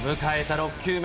６球目。